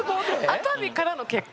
熱海からの結婚？